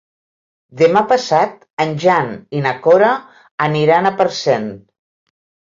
Demà passat en Jan i na Cora aniran a Parcent.